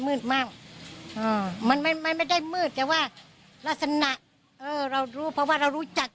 มืดมากมันไม่ไม่ได้มืดแต่ว่ารักษณะเออเรารู้เพราะว่าเรารู้จัก